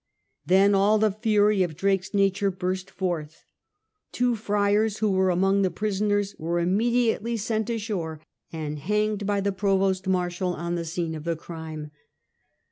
Then all the fury of Drake's nature burst forth. Two friars who were among the prisoners were immediately sent ashore and hanged by the provost marshal on the scene of the crime.